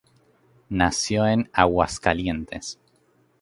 Nació en Aguascalientes.